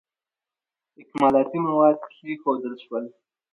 اکمالاتي مواد کښېښودل شول.